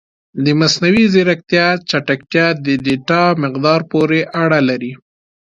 د مصنوعي ځیرکتیا چټکتیا د ډیټا مقدار پورې اړه لري.